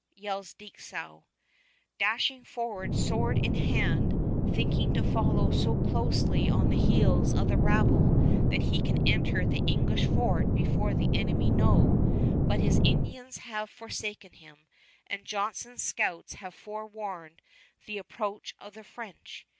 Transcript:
yells Dieskau, dashing forward sword in hand, thinking to follow so closely on the heels of the rabble that he can enter the English fort before the enemy know; but his Indians have forsaken him, and Johnson's scouts have forewarned the approach of the French.